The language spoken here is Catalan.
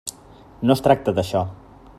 No es tracta d'això.